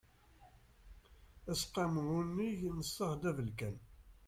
aseqqamu unnig n ṣṣehd abelkam